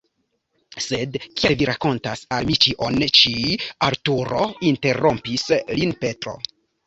"Sed kial Vi rakontas al mi ĉion ĉi? Arturo?" interrompis lin Petro.